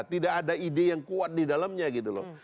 tidak ada ide yang kuat di dalamnya gitu loh